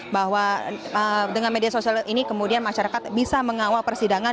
bahwa dengan media sosial ini kemudian masyarakat bisa mengawal persidangan